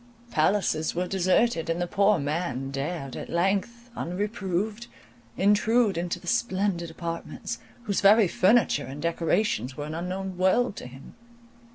Palaces were deserted, and the poor man dared at length, unreproved, intrude into the splendid apartments, whose very furniture and decorations were an unknown world to him.